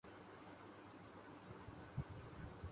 اجتماعی توبہ کرنی چاہیے سب کو مل کے